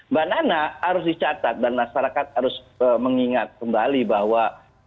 mbak nana harus dicatat dan masyarakat harus mengingat kembali bahwa